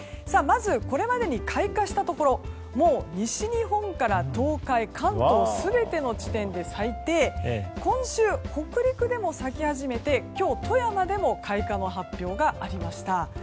まず、これまでに開花したところ西日本から東海関東、全ての地点で咲いて今週、北陸でも咲き始めて今日、富山でも開花の発表がありました。